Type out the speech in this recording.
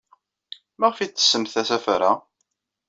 Maɣef ay tettessemt asafar-a?